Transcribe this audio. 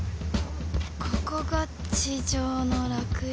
ここが地上の楽園？